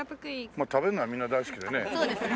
まあ食べるのはみんな大好きだよね。